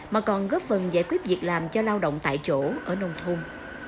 mà còn góp phần giải quyết việc làm cho lao động tại chỗ ở nông thôn